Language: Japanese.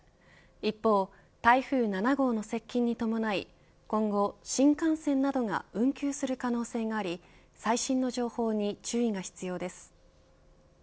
一方、台風７号の接近に伴い今後、新幹線などが運休する可能性があり最新の情報に注意が必要です。